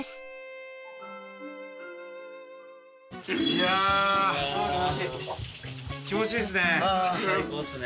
気持ちいいですね。